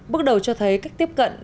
bước đầu cho thấy cách tiếp cận